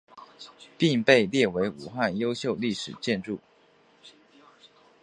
并被列为武汉优秀历史建筑。